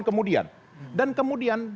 kemudian dan kemudian